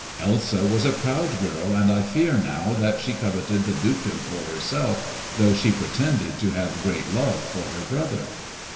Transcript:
Elsa was a proud girl, and I fear now that she coveted the dukedom for herself, though she pretended to have great love for her brother.